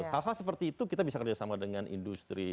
hal hal seperti itu kita bisa kerjasama dengan industri